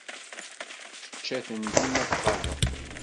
Tečča-ten dima ṭṭlaba.